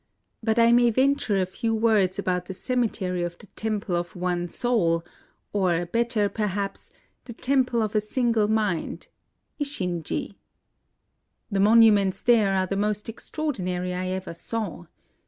But I may venture a few words about the cemetery of the Temple of One Soul, — or better, perhaps, the Temple of a Single Mind : Isshinji. The monuments there are the most extraordinary I ever saw.